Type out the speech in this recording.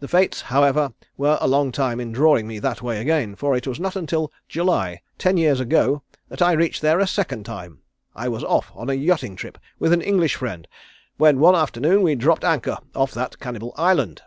The fates, however, were a long time in drawing me that way again, for it was not until July, ten years ago that I reached there the second time. I was off on a yachting trip, with an English friend, when one afternoon we dropped anchor off that Cannibal Island.